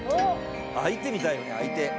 相手見たいね相手。